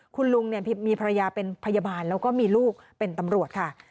คุณลุงมีภรรยาเป็นพยาบาลแล้วก็มีลูกเป็นตำรวจค่ะ